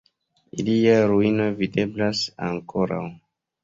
Iliaj ruinoj videblas ankoraŭ.